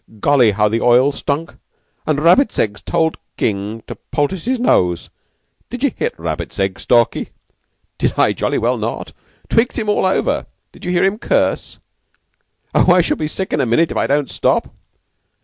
Golly, how the oil stunk! And Rabbits Eggs told King to poultice his nose! Did you hit Rabbits Eggs, Stalky?" "Did I jolly well not? Tweaked him all over. Did you hear him curse? Oh, I shall be sick in a minute if I don't stop."